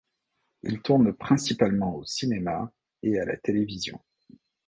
Il tourne principalement au cinéma et à la télévision.